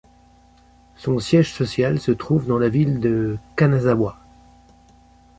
Son siège social se trouve dans la ville de Kanazawa.